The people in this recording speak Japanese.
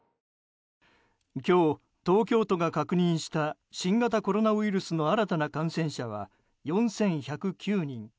今日、東京都が確認した新型コロナウイルスの新たな感染者は４１０９人。